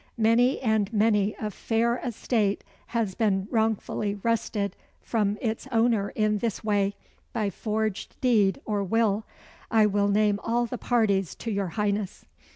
Many and many a fair estate has been wrongfully wrested from its owner in this way by forged deed or will. I will name all the parties to your Highness."